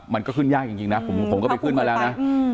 มันก็ขึ้นยากจริงนะผมก็ไปขึ้นมาแล้วนะ